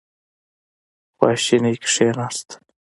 خواشینی کېناست.